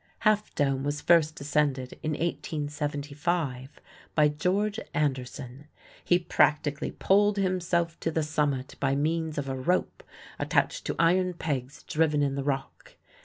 Half Dome was first ascended in 1875 by George Anderson. He practically pulled himself to the summit by means of a rope attached to iron pegs driven in the rock.